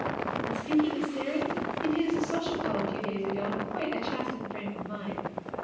And speaking of Sterry, he paid us a social call a few days ago, in quite a chastened frame of mind.